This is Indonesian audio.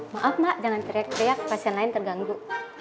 maaf mbak jangan teriak teriak pasien lain terganggu